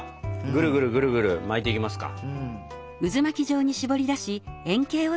ぐるぐるぐるぐる巻いていきますか。